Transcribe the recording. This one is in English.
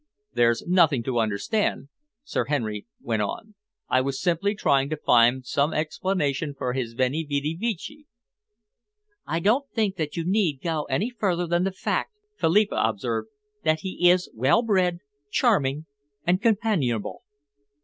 "There's nothing to understand," Sir Henry went on. "I was simply trying to find some explanation for his veni, vidi, vici." "I don't think you need go any further than the fact," Philippa observed, "that he is well bred, charming and companionable."